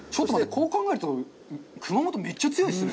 こう考えると、熊本、めっちゃ強いっすね。